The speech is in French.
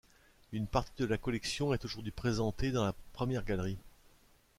Une partie de la collection est aujourd'hui présentée dans la première galerie.